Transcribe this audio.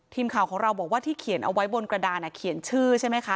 ทีมข่าวของเราบอกว่าที่เขียนเอาไว้บนกระดานเขียนชื่อใช่ไหมคะ